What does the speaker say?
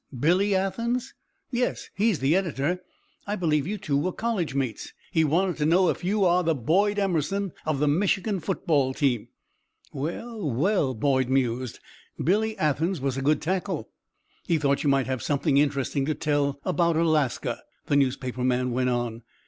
Billy Athens?" "Yes! He is the editor. I believe you two were college mates. He wanted to know if you are the Boyd Emerson of the Michigan football team." "Well, well!" Boyd mused. "Billy Athens was a good tackle." "He thought you might have something interesting to tell about Alaska," the newspaper man went on.